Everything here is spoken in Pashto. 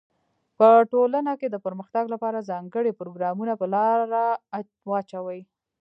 په ټولنه کي د پرمختګ لپاره ځانګړي پروګرامونه په لاره واچوی.